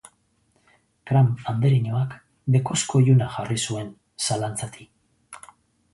Cram andereñoak bekozko iluna jarri zuen zalantzati.